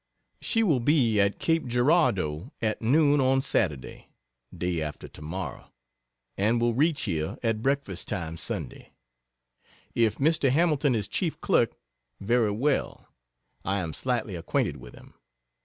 She will be at Cape Girardeau at noon on Saturday (day after tomorrow,) and will reach here at breakfast time, Sunday. If Mr. Hamilton is chief clerk, very well, I am slightly acquainted with him.